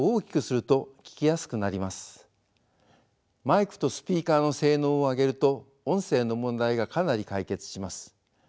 マイクとスピーカーの性能を上げると音声の問題がかなり解決します。